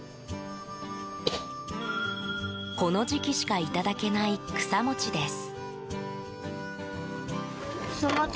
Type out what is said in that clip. この時期しかいただけない草餅です。